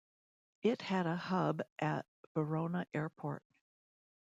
It had a hub at Verona Airport.